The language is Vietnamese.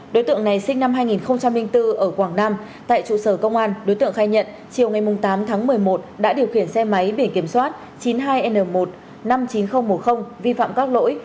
đối tượng này sinh năm hai nghìn bốn ở quảng nam tại trụ sở công an đối tượng khai nhận chiều ngày tám tháng một mươi một đã điều khiển xe máy biển kiểm soát chín mươi hai n một năm mươi chín nghìn bốn mươi vi phạm các lỗi